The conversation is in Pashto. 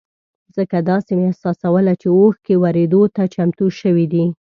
ځکه داسې مې احساسوله چې اوښکې ورېدو ته چمتو شوې دي.